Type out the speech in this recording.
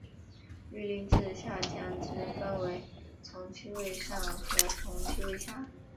律令制下将之分为从七位上和从七位下。